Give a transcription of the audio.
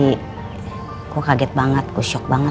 saya kaget sekali saya terkejut sekali